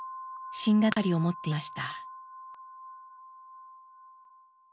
死んだとばかり思っていました。